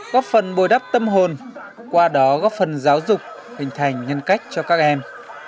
góp phần bồi đắp tâm hồn qua đó góp phần giáo dục hình thành nhân cách cho các em